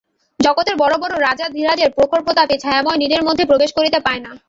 জগতের বড়ো বড়ো রাজাধিরাজের প্রখর প্রতাপ এই ছায়াময় নীড়ের মধ্যে প্রবেশ করিতে পায় না।